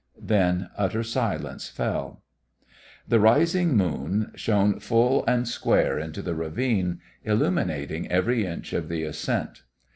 Then utter silence fell. The rising moon shone full and square into the ravine, illuminating every inch of the ascent.